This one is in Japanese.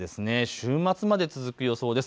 週末まで続く予想です。